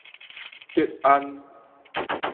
吉安